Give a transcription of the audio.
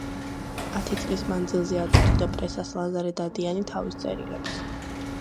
ათი წლის მანძილზე აწვდიდა პრესას ლაზარე დადუანი თავის წერილებს.